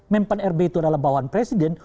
menpan rbi itu adalah bawahan presiden